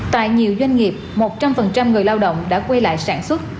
tại nhiều doanh nghiệp một trăm linh người lao động đã quay lại sản xuất